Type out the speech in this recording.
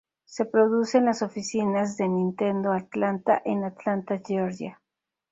Se produce en las oficinas de Nintendo Atlanta en Atlanta, Giorgia.